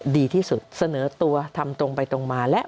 ดีที่สุดเสนอตัวทำตรงไปตรงมาและ